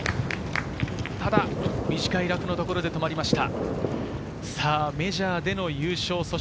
短いラフのところで止まりました。